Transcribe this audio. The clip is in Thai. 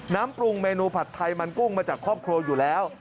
ปรุงเมนูผัดไทยมันกุ้งมาจากครอบครัวอยู่แล้ว